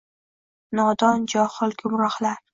Nodon, johil, gumrohlar —